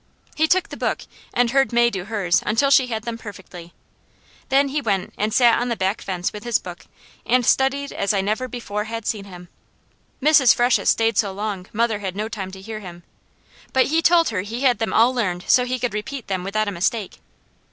He took the book and heard May do hers until she had them perfectly, then he went and sat on the back fence with his book and studied as I never before had seen him. Mrs. Freshett stayed so long mother had no time to hear him, but he told her he had them all learned so he could repeat them without a mistake.